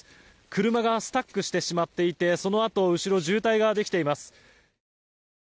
車がスタックしてしまっていてそのあと、後ろに渋滞ができています。